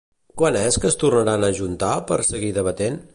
Quan és que es tornaran a ajuntar per seguir debatent?